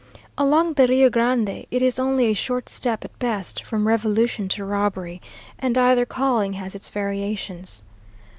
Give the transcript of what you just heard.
Along the Rio Grande it is only a short step at best from revolution to robbery, and either calling has its variations.